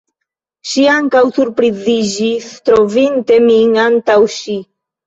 Ŝi ankaŭ surpriziĝis, trovinte min antaŭ ŝi.